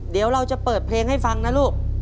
เดี๋ยวเราจะเปิดเพลงให้ฟังนะลูก